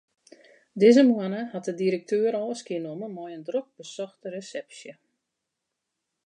Dizze moanne hat de direkteur ôfskie nommen mei in drok besochte resepsje.